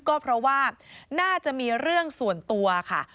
ก็เพราะว่าน่าจะมีเรื่องส่วนตัวค่ะ